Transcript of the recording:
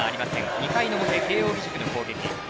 ２回の表、慶応義塾の攻撃。